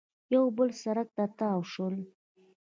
یو بل سړک ته تاو شول